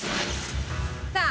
さあ。